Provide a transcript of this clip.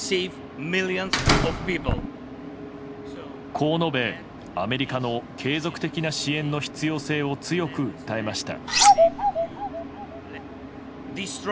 こう述べ、アメリカの継続的な支援の必要性を強く訴えました。